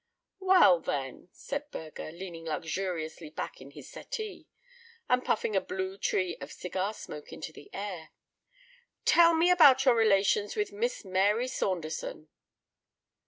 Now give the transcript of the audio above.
"Well, then," said Burger, leaning luxuriously back in his settee, and puffing a blue tree of cigar smoke into the air, "tell me all about your relations with Miss Mary Saunderson."